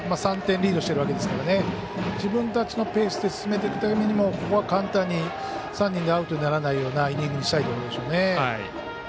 ３点リードしているわけですけど自分たちのペースで進めていくためにもここは簡単に３人でアウトにならないようなイニングにしたいところでしょうね。